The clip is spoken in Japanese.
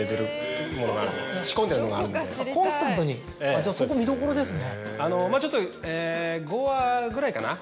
じゃあそこ見どころですね。